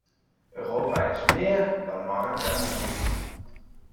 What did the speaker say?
Europa is méér dan markt en munt.